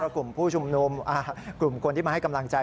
กลุ่มผู้ชุมนุมกลุ่มคนที่มาให้กำลังใจ